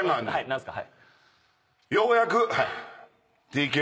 何ですか？